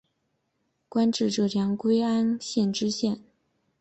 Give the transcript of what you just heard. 官至浙江归安县知县。